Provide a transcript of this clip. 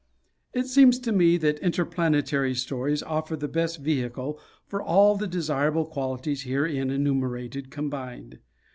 It seems to me that interplanetary stories offer the best vehicle for all the desirable qualities herein enumerated combined.